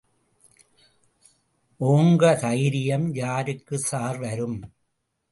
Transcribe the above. ஓங்க தைரியம் யாருக்கு ஸார் வரும்?